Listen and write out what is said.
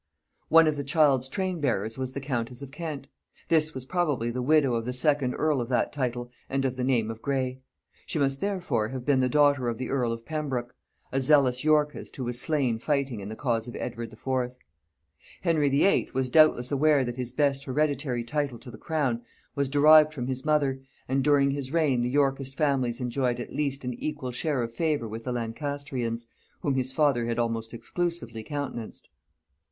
One of the child's train bearers was the countess of Kent. This was probably the widow of the second earl of that title and of the name of Grey: she must therefore have been the daughter of the earl of Pembroke, a zealous Yorkist who was slain fighting in the cause of Edward IV. Henry VIII. was doubtless aware that his best hereditary title to the crown was derived from his mother, and during his reign the Yorkist families enjoyed at least an equal share of favor with the Lancastrians, whom his father had almost exclusively countenanced.